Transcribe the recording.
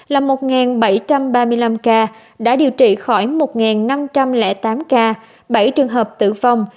là một bảy trăm ba mươi năm ca đã điều trị khỏi một năm trăm linh tám ca bảy trường hợp tử vong